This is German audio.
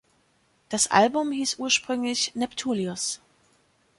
Das Album hieß ursprünglich „Neptulius“.